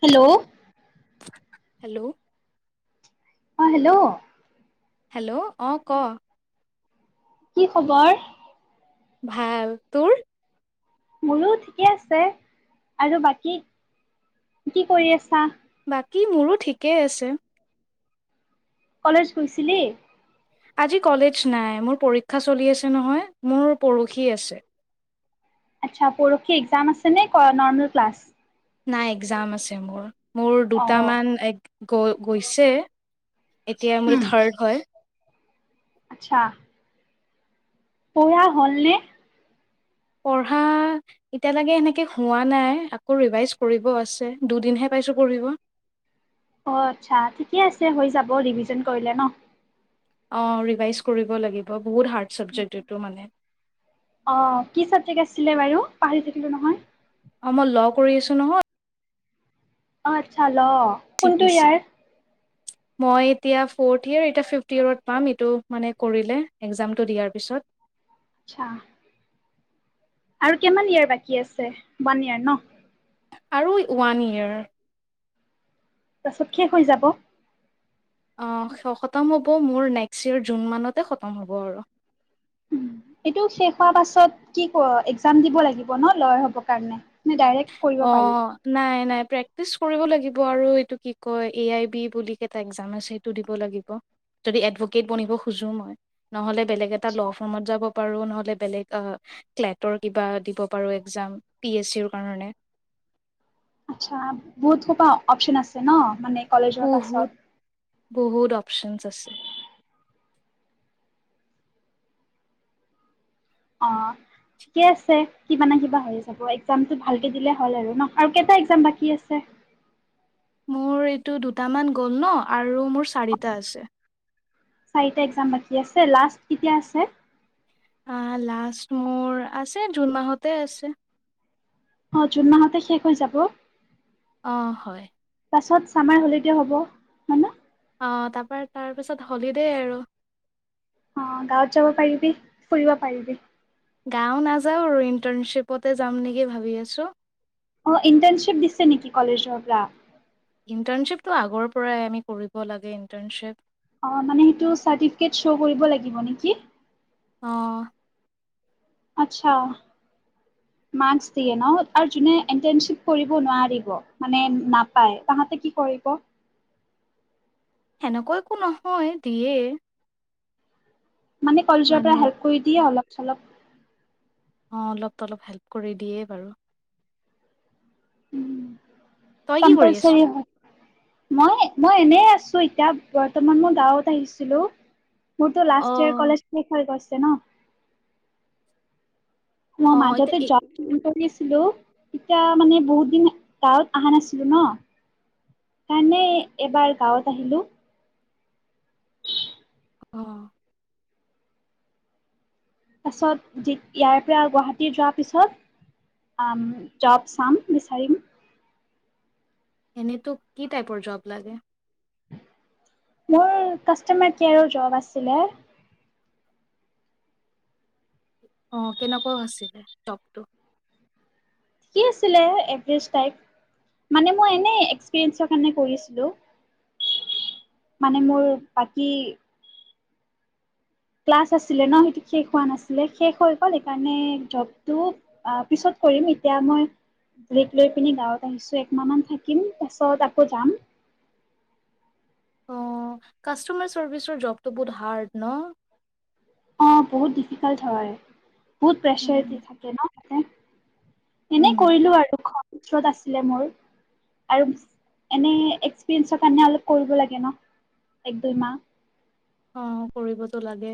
Hello hello অঁ hello hello অঁ ক কি খবৰ? ভাল তোৰ মোৰো ঠিকে আছে আৰু বাকী কি কৰি আছা? বাকী মোৰো ঠিকেই আছে। কলেজ গৈছিলি? আজি কলেজ নাই মোৰ পৰীক্ষা চলি আছে নহয় মোৰ পৰখি আছে আচ্ছা পৰসি এক্সাম আছে নে নৰ্মেল ক্লাছ? নাই একজাম আছে মোৰ। মোৰ অ দুটামান এক গৈ গৈছে এতিয়া মোৰ থাৰ্ড হয়। আতচ্ছা। পঢ়া হল নে পঢ়া এতিয়ালৈকে এনেকে হোৱা নাই আকৌ ৰিভাইজ কৰিব আছে দুদিনহে পাইছোঁ পঢ়িব অ', আতচ্ছা ঠিকে আছে হৈ যাব ৰিভিজন কৰিলে ন? অ', ৰিভাইজ কৰিব লাগিব। বহুত হাৰ্ড চাবজেক্ট এইটো মানে অঁ কি চবজক আছে ছিলে বাৰু পাহি থাকিলো নহয় অ', মই ল কৰি আছো নহয় অ', আতচ্ছা ল চি কোনটো পি চি ইয়াৰ? মই এতিয়া ফ'ৰ্থ ইয়েৰ, এতিয়া ফিফথ ইয়েৰত পাম এইটো মানে কৰিলে একজামটো দিয়াৰ পিছত। চ্ছা। আৰু কিমান ইয়াৰ বাকী আছে ওৱান ইয়াৰ ন? আৰু ওৱান ইয়েৰ। তাৰপিছত শেষ হৈ যাব অ খতম হ'ব মোৰ নেক্স ইয়েৰ জুন মানতে খতম হ'ব আৰু। এইটো শেষ হোৱাৰ পাছত কি ক এক্সাম দিব লাগিব ন লয়াৰ হব কাৰণ নে ডাইৰেক্ট কৰিব পাৰি? অ', নাই, নাই। প্ৰেক্টিচ কৰিব লাগিব আৰু এইটো কি কয় এ আই বি বুলি কটা এক্সাম আছে সটো দিব লাগিব যদি এডভকেট বনিব খোজো মই নহ'লে বেলেগ এটা আচ্ছা ল' ফৰ্মত যাব পাৰোঁ নহ'লে বেলেগ অ', ক্লেটৰ কিবা দিব পাৰো একজাম, পি এচ চ ৰ কাৰণে। আচ্ছা বহুত অপচন আছে ন মানে ন কলেজৰ পাছত বহুত বহুত অপচনছ আছে। অ ঠিকে আছে কিবা নে কিবা হৈ যাব এক্জামটো ভালকে দিলে হল আৰু ন আৰু কেইটা এক্জাম বাকী আছে মোৰ এইটো দুটামান গ'ল ন [unintelligible] আৰু মোৰ চাৰিটা আছে। চাৰিটা একজাম বাকী আছে, লাষ্ট কিতিয়া আছে? আহ লাষ্ট মোৰ আছে জুন মাহতে আছে। অ জুন মাহতে শেষ হৈ যাব। অ হয় পাছত ছামাৰ হলিডে' হ'ব হয়, ন? অহ, তাৰপা তাৰপিছত হলিডে আৰু। অ', গাঁৱত যাব পাৰিবি, ফুৰিব পাৰিবি। গাওঁ, নাযাওঁ আৰু ইণ্টাৰ্ণশ্বিপতে যাম নেকি ভাবি আছো। অ', ইণ্টাৰ্ণশ্বিপ দিছে নেকি কলেজৰ পৰা? ইণ্টাৰ্ণশ্বিপটো আগৰ পৰাই আমি কৰিব লাগে ইণ্টাৰ্ণশ্বিপ। অ মানে সেইটো চাৰ্টিফিকেট শ্বো কৰিব লাগিব নেকি? আহ আতছা, মানচ দিয়ে ন? আৰু যোনে ইণ্টাৰ্ণশ্বিপ কৰিবৰ নোৱাৰিব মানে নাপাই, তাহাতে কি কৰিব? এনেকুৱা একো নহয় দিয়ে। মানে কলেজৰ পৰা হেল্প কৰি দিয়ে অলপ। চলপ অ', অলপ তলপ হেল্প কৰি দিয়েই বাৰু। উম তই কি কৰি আছ? কম্পলচৰি হয়। মই, মই এনে আছো এতিয়া বৰ্তমান মই গাঁৱত আহিছিলোঁ। মোৰতো লাষ্ট ইয়াৰ অ' কলেজ শেষ হৈ গৈ [unintelligible] ম অ' এতিয়া মাজতে এই- [unintelligible] আছিলো এতিয়া মানে বহুত দিন গাঁৱত অহা নাছিলো ন সেইকাৰণে এবাৰ গাঁৱত আহিলো। অ তাৰাছত ইয়াৰে পৰা গুৱাহাটী যোৱাৰ পিছত জব চাম বিচাৰিম এনেতো কি টাইপৰ জব লাগে মোৰ কাষ্টমাৰ কেয়াৰৰ জব আছিলে অ কেনেকুৱাও আছিলে চপটো ঠিক আছিলে এভাৰেজ টাইক মানে মই এনে এক্সপিৰিয়েঞ্চৰ কাৰণে কৰিছিলো মানে মোৰ বাকী ক্লাছ আছিলে ন সেইটো শেষ হোৱা নাছিলে শেষ হৈ গ'ল সেইকাৰণে জবটো পিছত কৰিম এতিয়া মই বেক লৈ পিনি গাঁৱত আহিছো একমাহ মান থাকিম তাছত আকৌ যাম অ কাষ্টমাৰ চাৰ্ভিচৰ জবটো বহুত হাৰ্ড ন অ বহুত ডিফিকাল্ট হয় বহুত প্ৰেছাৰ উম, দি থাকে ন উ এনেই উম, কৰিলো আৰু খ ওচৰত আছিলে মোৰ আৰু এনে এক্সপিৰিয়েঞ্চৰ কাৰণে অলপ কৰিব লাগে ন এক দুইমাহ অ কৰিবতো লাগে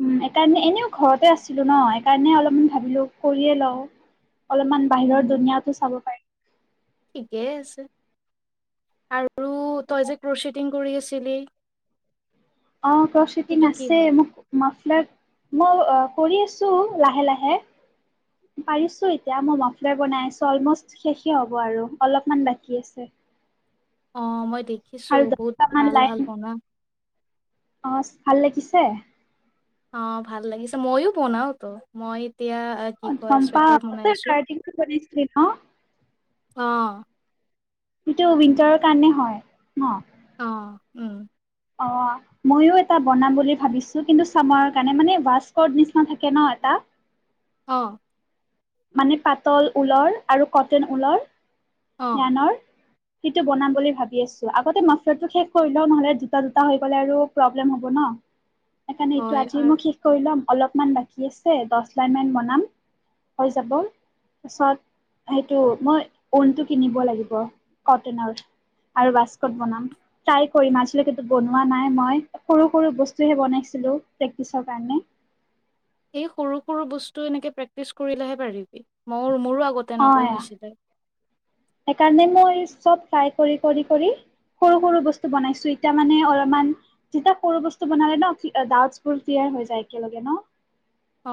উ সকাৰণে এনেও ঘৰতে আছিলো ন সেইকাৰণে অলপমান ভাবিলো কৰিয়ে লওঁ অলপমান বাহিৰৰ উম, দুুনীয়াো চাব পাৰি ঠিকেই আছে আৰু আৰু তই যে ক্ৰশি টিং কৰি আছিলি অ কচেটিং সেইটো কি আছে হ'ল? মোক মাফলাত মই কৰি আছোঁ লাহে লাহে পাৰিছোঁ এতিয়া মই মফলাৰ বনাই আছোঁ অলম'ষ্ট শেষেই হ'ব আৰু অলপমান বাকী আছে অ মই দেখিছো আৰু বহুত দহটামান ভাল ভাল লাইন বনা অ ভাল লাগিছে অ ভাল লাগিছে মইো বনাও তো মই এতিয়া অ', কি কয় চুৱেটাৰ বনাই আছো। অ', কাম্পাছ সেইটো উইন্টাৰৰ কাৰণে হয় ন অ উম অঁ ময়ো এটা বনাম বুলি ভাবিছোঁ কিন্তু চামৰ কাৰণে মানে ৱাস্কৰ নিচিনা থাকে ন এটা অ মানে পাতল ঊলৰ আৰু কটেন ঊলৰ অ', জ্ঞানৰ সেইটো বনাম বুলি ভাবি আছো আগতে মছলাটো শেষ কৰি লওঁ নহ'লে দুটা দুটা হৈ গলে আৰু প্ৰব্লেম হ'ব ন সেইকাৰণে এইটো হয় আজি আৰু মই শেষ কৰি ল'ম অলপমান বাকী আছে দহ লাইনমান বনাম। হৈ যাব ত পাছত সেইটো মই ঊনটো কিনিব লাগিব কটনৰ আৰু বাস্কট বনাম ট্ৰাই কৰিম আজতে কিন্তু বনোৱা নাই মই সৰু সৰু বস্তুহে বনাইছিলো প্ৰেক্টিচৰ কাৰণে এই সৰু সৰু বস্তু এনেকে প্ৰেক্টিচ কৰিলেহে পাৰিবি মই অ সেইকাৰণে মই চব ফ্ৰাই কৰি কৰি কৰি সৰু সৰু বস্তু বনাইছো এতিয়া মানে অলপমান যেতিয়া সৰু বস্তু বনালে ন ডাউট বোৰ ক্লিয়াৰ হৈ যায় একেলগে ন অ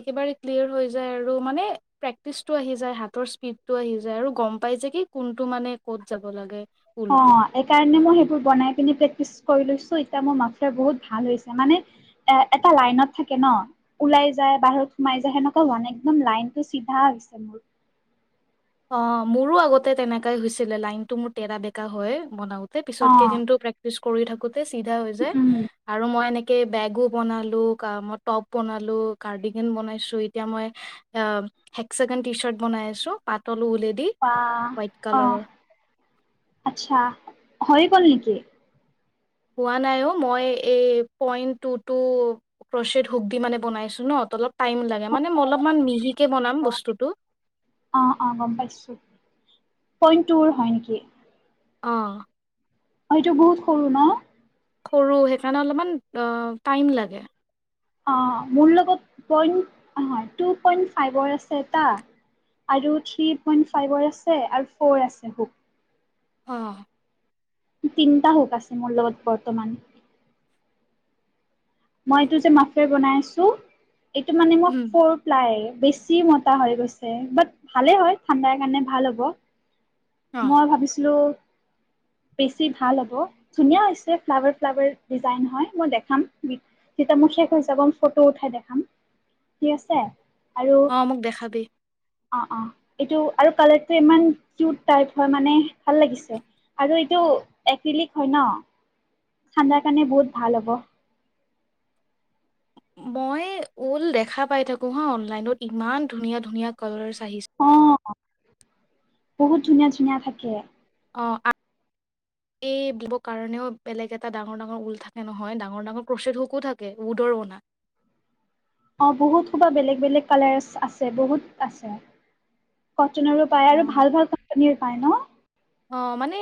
একেবাৰে ক্লিয়াৰ হৈ যায় আৰু মানে প্ৰেক্টিচটো আহি যায় হাতৰ স্পীডটো আহি যায় আৰু গম পাই যে কি কোনটো মানে ক'ত যাব লাগে অ ঊলটো এই কাৰণে মই সেই বনাই পিনি প্ৰেক্টিচ কৰি লৈছো এতিয়া মোৰ মাৰে বহুত ভাল হৈছে মানে এ এটা লাইনত থাকে ন ওলাই যায় বাহিৰত সোমাই যায় সেনেকুৱা হোৱা নাই একদম লাইনতটো চিধা হৈছে মোৰ অ মোৰো আগতে তেনেকাই হৈছিলে লাইনতটো মোৰ তেটৰা বেকা হয় বনাও পিছতকে অ কিনটো প্ৰেক্টিচ কৰি থাক চিধা হৈ যায়, উম আৰু মই এনে কে বেগো বনালো ক মই টপ বনালো কাৰ্ডিিকেন বনাইছো এতিয়া মই অ হেকচ টি চাৰ্ট বনাই আছো পাত আহ আহ আচ্ছা হৈ গ'ল নেকি হ নাই অ মই এইই হু দি মানে বনাইছো নল টাইম লাগে মানে অলপ মিহিকে বন বস্তুটো অ অ গম পাইছো পইণ্ট টুৰ হয় নেকি আহ এইটো বহুত সৰু ন? সৰু সেইকাৰণে অলপমান টাইম লাগে অ মোৰ লগত পইণ্ট হয় টু পইণ্ট ফাইভৰ আছে এটা আৰু থ্ৰী পইণ্ট ফাইভৰ আছে আৰু ফ'ৰ আছে হুক অ তিনিটা হুক আছে মোৰ লগত বৰ্তমান মই এইটো যে মাফেৰ বনাইছো এইটো মানে মই উম ফৰ প্লাই বেছি মোতা হৈ গৈছে বাট ভালে হয়, ঠাণ্ডাৰ কাৰণে ভাল হ'ব। অ মই ভাবিছিলো বেছি ভাল হ'ব ধুনীয়া হৈছে ফ্লাৱাৰ ফ্লাৱাৰ ডিজাইন হয়, মই দেখাম যেতিয়া মোৰ শেষ হৈ যাব ফটো উঠাই দেখাম ঠিক আছে। আৰু অ মোক দেখাবি অ অ এইটো আৰু কালাৰটো ইমান কিট টাইপ হয় মানে ভাল লাগিছে আৰু এইটো এক্ৰিলিক হয, ন? ঠাণ্্ডাৰ কাৰণে বহুত ভাল হ'ব মই ঊল দেখা পাই থাকো হা অনলাইনত ইমান ধুনীয়া ধুনীয়া কালাৰছ চি অ বহুত ধুনীয়া ধুনীয়া থাকে অ', এই কাৰণেও বেলেগ এটা ডাঙৰ, ডাঙৰ ঊল থাকে নহয়, ডাঙৰ ডাঙৰ কচেট হোকো থাকে উদৰ অনা অ বহুত সোবা বেলেগ বেলেগ কালাৰছ আছে বহুত আছে কটনৰো পায় অ আৰু ভাল, ভাল কোম্পানীৰ পায় ন? অ' মানে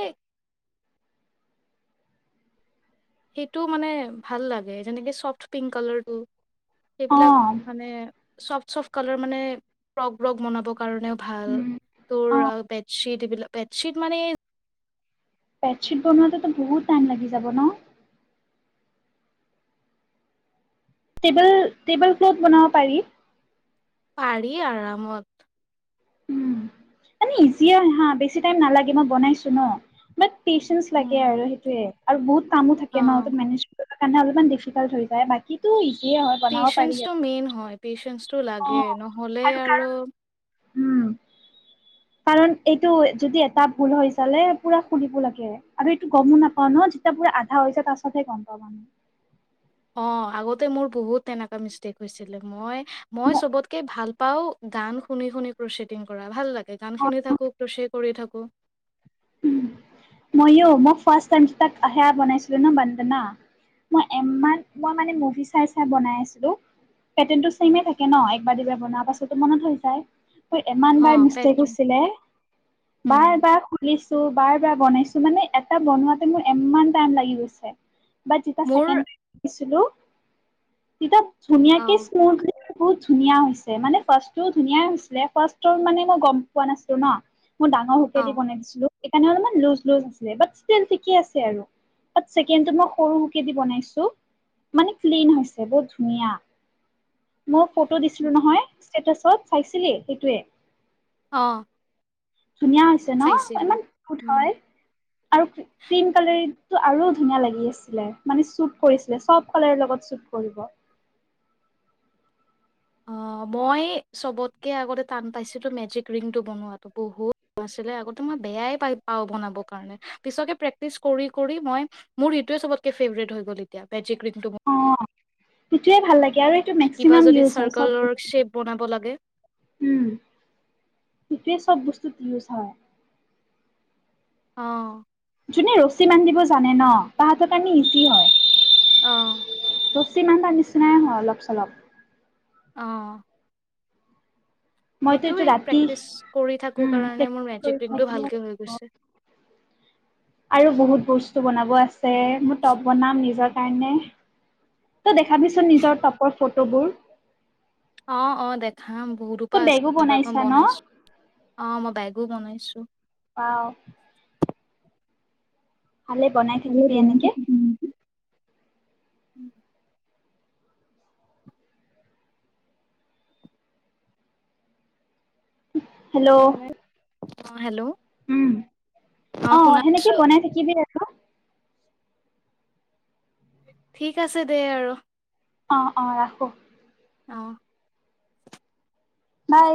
সেইটো মানে ভাল লাগে যেনেকে চফ্ট পিংক কালাৰটো। অ সেইবিলাক মানে ফ চফট কালাৰ মানে ফ্ৰগ ব বনাব কাৰণেও ভাল উম অ তোৰ বেডশীট বিলাক বেডশিট মানে বেডশ্বীট বনোৱাতেতো বহুত টাইম লাগি যাব ন? টেবল, টেবল ক্লথ বনাব পাৰি। পাৰি আৰামত উম, মানে ইজিয়ে হয়, হা বেছি টাইম নালাগে মই বনাইছো ন বাট পেচেঞ্চ লাগে উম আৰু সেইটোয়ে আৰু বহুত কামো থাকে অ ন? ত মেনেজ সেইকানে অলপমান ডিফিকাল হৈ যায়, বাকীটো ই পেচেন্স টো মেইন হয়, পেচেন্স টো অ লাগে, নহ'লে আৰু উম, কাৰণ এইটো যদি এটা ভুল হৈ চালে পুৰা খুলিব লাগে আৰু এইটো গমো নাপাওঁ ন যেতিয়া পুৰা আধা হৈছে তাৰ পাছতহে গম পাওঁ মানে। অ', আগতে মোৰ বহুত তেনেকা মিষ্টেক হৈছিলে, মই মই চবতকে ভাল পাওঁ, গান শুনি, শুনি প্ৰচিদিং কৰা, ভাল লাগ গান শুনি থাকোঁ প্ৰসিক কৰি থাকোঁ। মইও, মই ফাৰ্ষ্ট টাইম ইনষ্টাত সেয়া বনাইছিলো ন বন্দনা, মই এম্মান মই মানে মুভি চাই চাই বনাই আছিলো। পেটাৰ্ন টো চেম এ থাকে ন, একবাৰ দুবাৰ বনোৱাৰ পাছত তো মনত হৈ যায়। মোৰ ইমান অ বাৰ মিষ্টেক পেটাৰ্ণ হৈছিলে বাৰ, বাৰ খুুলি [unintelligible] এটা বনাইছো মানে এটা বনোৱাতে মোৰ এম্মান টাইম লাগি গৈছে। বাত, যেতা মোৰ ছেকেন্ড [unintelligible] ছিলোঁ [unintelligible] ধুনীয়া অ কি [unintelligible] বহুত ধুনীয়া হৈছে, মানে ফাৰ্ষ্টো ধুনীয়া এ হৈছিলে, ফাৰ্ষ্ট টো মানে মই গম পোৱা নাছিলো ন। মোৰ ডাঙৰ হুকে অ দি বনাই দিছিলোঁ এইকাৰনে মানে লুজ লুজ আছিলে, বাট ষ্টিল থিকে আছে আৰু। বাত, চেকেণ্ডটো মই সৰু হুকেদি বনাইছোঁ, মানে ক্লিন হৈছে, বহুত ধুনীয়া। মোক ফটো দিছিলো নহয় ষ্টেটাছত চাইছিলি? সেইটোৱে। অ' ধুনীয়া হৈছে ন? চাইছিলো ইমান উম হয়। আৰু ক্ৰীম কালাৰি টো আৰু ধুনীয়া লাগি আছিলে, মানে চুট কৰিছিলে, চব কালাৰৰ লগত চুট কৰিব। অ, মই চবতকে আগতে টান পাইছিলো মেজিক ৰিংটো বনোৱাটো। বহুত [unintelligible] ছিলে আগতে মই বেয়াই পাই পাওঁ বনাব কাৰণে। পিছকে প্ৰেক্টিচ কৰি কৰি মই, মোৰ ইটোয়ে চবতকে ফেভৰেট হৈ গল এতিয়া মেজিক ৰিং। [unintelligible] সিটোয়ে ভাল লাগে আৰু এইটো কিবা মেক্সিমাম যদি ইউজ হয় চব চাৰ্কলৰ বস্তুত শ্বেপ বনাব লাগে গোটেই চব বস্তুত ইউজ হয় অ' জোনে ৰছী বান্ধিব জানে ন, তাহাঁতৰ কাৰণে ইজি হয়। অ' তপ চিমানটা নিচিনাই হয় অলপ চলপ অ' মইতো এইটো সেইটোৱেই ৰাতি প্ৰেক্টিচ কৰি থাকো কাৰণে মোৰ মেজিক ৰিংটো ভালকে হৈ গৈছে আৰু বহুত বস্তু বনাব আছে মোৰ টপ বনাম নিজৰ কাৰণে। ত দেখাবিচোন নিজৰ টপৰ ফটোবোৰ অ অ দেখাম বহুতোপা তই আছে বেগো তাত বনাইছা ন বনাইছো অ মই বেগো বনাইছো ছো আহ ভালে বনাই থাকিবি এনেকে। উম হেল্ল' বনাই অ', হেল্ল' উম অ সেনেকে বনাই থাকিবি আৰু ঠিক আছে দে আৰু অ অ ৰাখো আহ বাই।